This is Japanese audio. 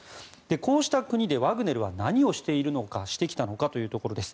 こうした国でワグネルは何をしてきたのかということです。